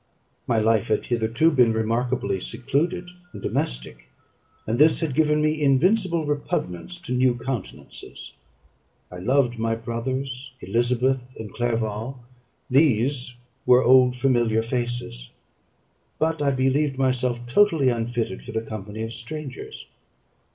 My life had hitherto been remarkably secluded and domestic; and this had given me invincible repugnance to new countenances. I loved my brothers, Elizabeth, and Clerval; these were "old familiar faces;" but I believed myself totally unfitted for the company of strangers.